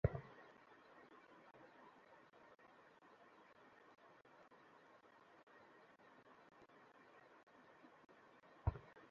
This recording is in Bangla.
এমন একটি শুভ দিনে ঈশ্বরীর এখানে থাকা উচিত ছিল।